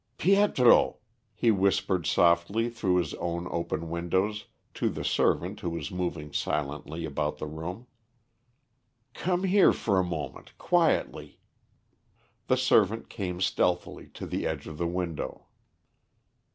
"Pietro," he whispered softly through his own open windows to the servant who was moving silently about the room, "come here for a moment, quietly." The servant came stealthily to the edge of the window.